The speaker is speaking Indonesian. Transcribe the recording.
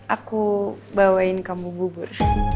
aku bawain kamu bubur